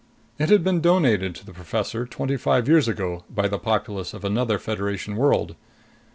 It had been donated to the professor twenty five years ago by the populace of another Federation world.